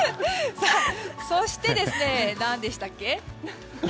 そして何でしたっけ。